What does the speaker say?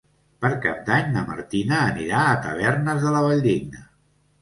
Per Cap d'Any na Martina anirà a Tavernes de la Valldigna.